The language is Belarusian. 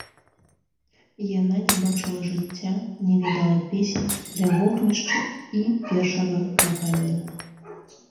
Яна не бачыла жыцця, не ведала песень ля вогнішча і першага кахання.